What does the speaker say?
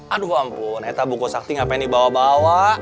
aduh ampun eta buku sakti ngapain dibawa bawa